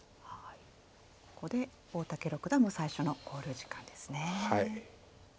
ここで大竹六段も最初の考慮時間ですね。